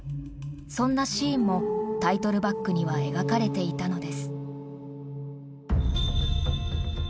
そんなシーンもタイトルバックには描かれていたのです。